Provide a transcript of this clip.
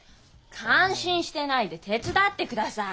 感心してないで手伝ってください。